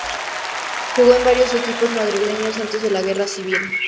Jugó en varios equipos madrileños antes de la guerra civil.